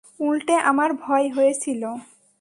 উলটে আমার ভয় হয়েছিল।